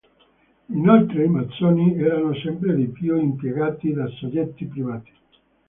Inoltre, i massoni erano sempre di più impiegati da soggetti privati.